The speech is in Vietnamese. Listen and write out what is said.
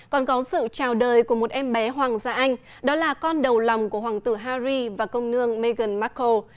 còn có sự chào đời của một em bé hoàng gia anh đó là con đầu lòng của hoàng tử harry và công nương meghan markle